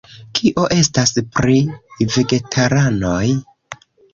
Kio estas pri vegetaranoj?